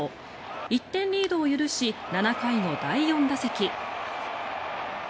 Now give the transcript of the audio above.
１点リードを許し７回の第４打席。